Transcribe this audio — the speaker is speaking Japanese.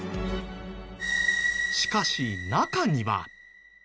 しかし中には。